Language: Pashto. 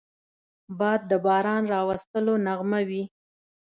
باد د باران راوستلو نغمه وي